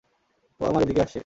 ও এবার এদিকেই আসছে।